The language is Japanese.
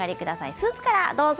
スープからどうぞ。